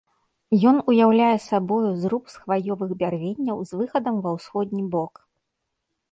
Ён уяўляе сабою зруб з хваёвых бярвенняў з выхадам ва ўсходні бок.